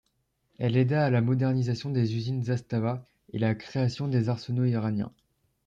Elle aida à la modernisation des usines Zastava et la création des Arsenaux iraniens.